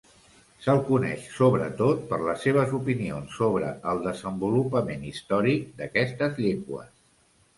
Se'l coneix sobretot per les seves opinions sobre el desenvolupament històric d'aquestes llengües.